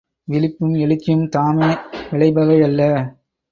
விழிப்பும் எழுச்சியும் தாமே விளைபவையல்ல.